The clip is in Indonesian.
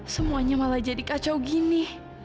semuanya malah jadi kacau gini